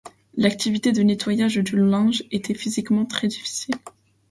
L'activité de nettoyage du linge était physiquement très difficile.